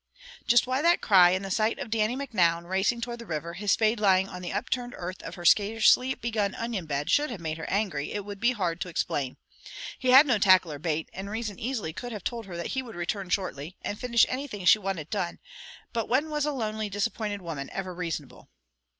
Just why that cry, and the sight of Dannie Macnoun racing toward the river, his spade lying on the upturned earth of her scarcely begun onion bed, should have made her angry, it would be hard to explain. He had no tackle or bait, and reason easily could have told her that he would return shortly, and finish anything she wanted done; but when was a lonely, disappointed woman ever reasonable?